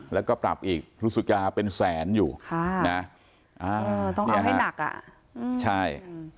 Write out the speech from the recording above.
แล้วก็ปรับอีกพฤศจิกาเป็นแสนอยู่ต้องเอาให้หนักอ่ะใช่